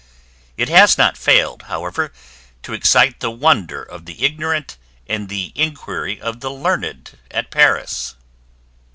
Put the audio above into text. It has not failed, however, to excite the wonder of the ignorant and the inquiry of the learned at Paris."